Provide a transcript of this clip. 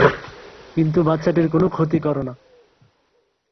কিন্তু বাচ্চাটির কোন ক্ষতি করো না।